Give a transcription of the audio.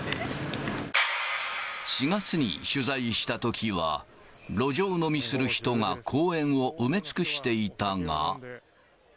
４月に取材したときは、路上飲みする人が公園を埋め尽くしていたが。